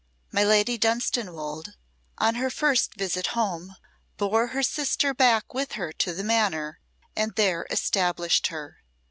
My Lady Dunstanwolde, on her first visit home, bore her sister back with her to the manor, and there established her.